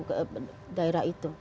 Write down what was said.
sinyal handphone enggak tahu